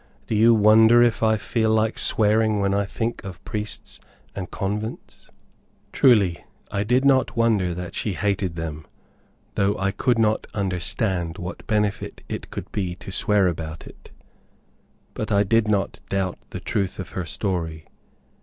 Do you wonder if I feel like swearing when I think of priests and convents?" Truly, I did not wonder that she hated them, though I could not understand what benefit it could be to swear about it; but I did not doubt the truth of her story.